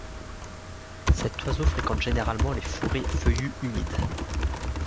Cet oiseau fréquente généralement les forêts feuillues humides.